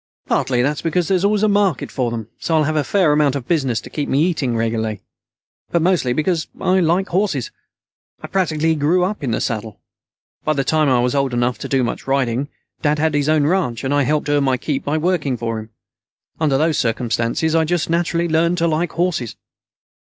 "Partly because there's always a market for them, so I'll have a fair amount of business to keep me eating regularly. But mostly because I like horses. I practically grew up in the saddle. By the time I was old enough to do much riding, Dad had his own ranch, and I helped earn my keep by working for him. Under those circumstances, I just naturally learned to like horses."